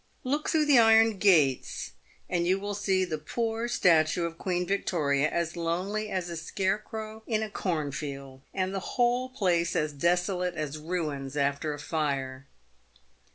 Look through the iron gates and you will see the poor statue of Queen Yictoria as lonely as a scarecrow in a corn field, and the whole place as desolate as ruins after a fire.